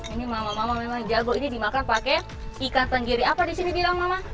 ini mama mama memang jago ini dimakan pakai ikan sendiri apa di sini bilang mama